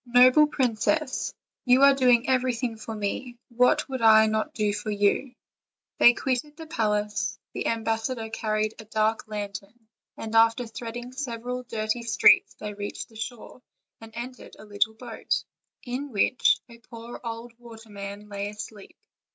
Noble princess, you are doing everything for me; vhat would I not do for you?" They quitted the palace; the ambassador car ried a dark lantern, and after threading several dirty streets they reached the shore, and entered a little boat, OLD, OLD FAIRY TALES. 343 in which a poor old waterman lay asleep.